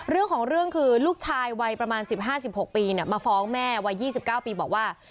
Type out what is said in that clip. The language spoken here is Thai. เรื่องของเรื่องคือลูกชายวัยประมาณ๑๕๑๖ปีมาฟ้องแม่วัย๒๙ปีบอกว่า